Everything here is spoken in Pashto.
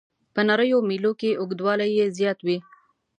په نریو میلو کې اوږدوالی یې زیات وي.